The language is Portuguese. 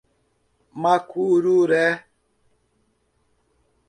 Macururé